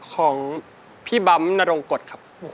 ของพี่บำนรงกฎครับ